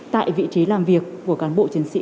tại vị trí làm việc của cán bộ chiến sĩ